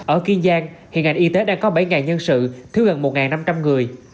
ở kiên giang hiện ngành y tế đang có bảy nhân sự thiếu gần một năm trăm linh người